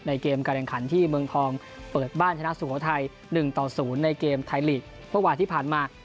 ในเกมกระแดงขันที่เมืองทองเปิดบ้านชนะสูงของไทย๑๐ในเกมไทยลีกเพราะว่าที่ผ่านมา